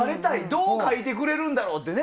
どう書いてくれるんだろうって。